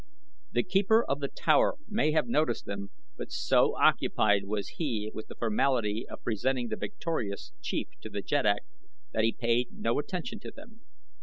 The Keeper of the Towers may have noticed them, but so occupied was he with the formality of presenting the victorious Chief to the jeddak that he paid no attention to them.